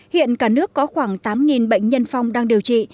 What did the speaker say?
hiện cả nước có khoảng tám bệnh nhân phong đang điều trị